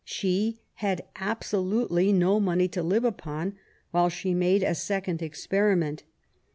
She had abso lutely no money to live upon while she made a second experiment.